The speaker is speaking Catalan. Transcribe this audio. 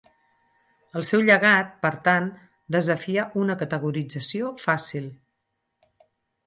El seu llegat, per tant, desafia una categorització fàcil.